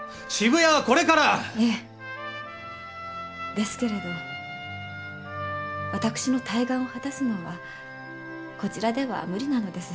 ですけれど私の大願を果たすのはこちらでは無理なのです。